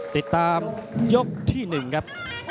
ติดตามยกที่๑ครับ